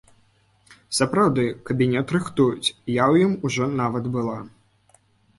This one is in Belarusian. Сапраўды, кабінет рыхтуюць, я ў ім ужо нават была.